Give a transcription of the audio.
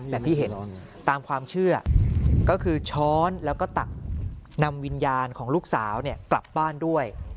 อย่างที่เห็นตามความเชื่อก็คือช้อนแล้วก็ตักนำวิญญาณของลูกสาวกลับบ้านด้วย